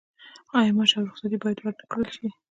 آیا معاش او رخصتي باید ورنکړل شي؟